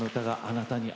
「あなたに」